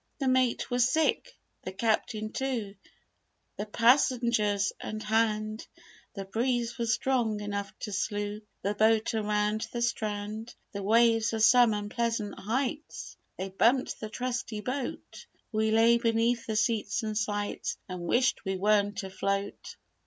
"The mate was sick, the Captain too, The passengers and 'hand'; The breeze was strong enough to slew The boat around the strand. The waves were some unpleasant heights; They bumped the trusty boat We lay beneath the seats and sights, And wished we weren't afloat.